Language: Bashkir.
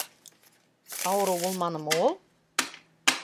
Ауырыу булманымы ул?